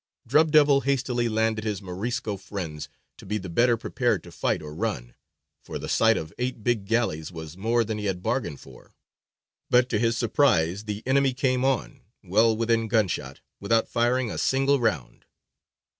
"Drub Devil" hastily landed his Morisco friends, to be the better prepared to fight or run, for the sight of eight big galleys was more than he had bargained for; but to his surprise the enemy came on, well within gun shot, without firing a single round.